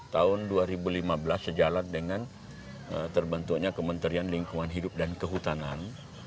tahun dua ribu lima belas sejalan dengan terbentuknya kementerian lingkungan hidup dan kehutanan